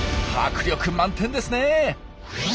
迫力満点ですね。